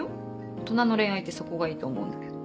大人の恋愛ってそこがいいと思うんだけど。